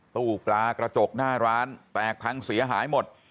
ตู้ปลากระจกหน้าร้านแตกพังเสียหายหมด